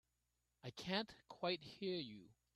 I can't quite hear you.